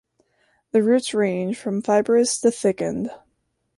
The roots range from fibrous to thickened.